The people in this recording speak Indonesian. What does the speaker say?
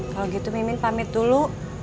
kalau gitu mimpin pamit dulu